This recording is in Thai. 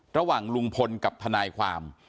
ระหว่างลุงพลกับทนายความ